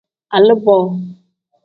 Aliboo.